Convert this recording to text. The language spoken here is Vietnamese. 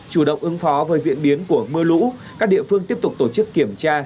chủ động ứng phó với diễn biến của mưa lũ các địa phương tiếp tục tổ chức kiểm tra